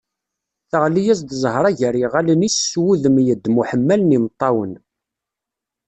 Teɣli-as-d Zahra gar yiɣallen-is s wudem yeddem uḥemmal n yimeṭṭawen.